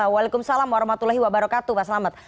waalaikumsalam warahmatullahi wabarakatuh pak selamat